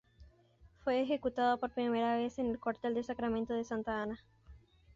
Fue ejecutada por primera vez en el Cuartel de Sacramentos de Santa Ana.